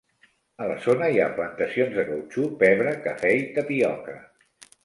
A la zona hi ha plantacions de cautxú, pebre, cafè i tapioca.